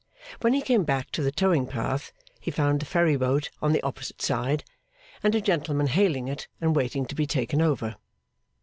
When he came back to the towing path, he found the ferry boat on the opposite side, and a gentleman hailing it and waiting to be taken over.